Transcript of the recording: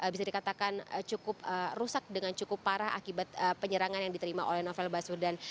bisa dikatakan cukup rusak dengan cukup parah akibat penyerangan yang diterima oleh novel baswedan